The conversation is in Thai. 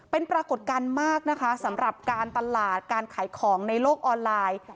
เป็นปรากฏการณ์มากนะคะสำหรับการตลาดการขายของในโลกออนไลน์